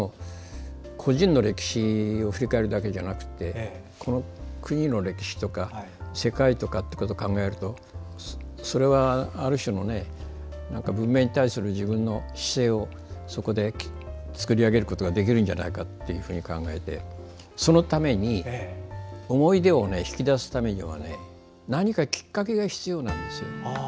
しかも個人の歴史を振り返るだけじゃなくてこの国の歴史とか世界を考えるとそれはある種の文明に対する自分の姿勢をそこで作り上げることができるんじゃないかと考えて、そのために思い出を引き出すためにはなにかきっかけが必要なんです。